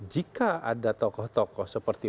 jika ada tokoh tokoh seperti